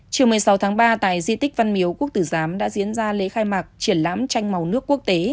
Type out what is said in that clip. chiều một mươi sáu tháng ba tại di tích văn miếu quốc tử giám đã diễn ra lễ khai mạc triển lãm tranh màu nước quốc tế